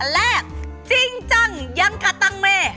แรกจริงจังอย่างกะแตงเม่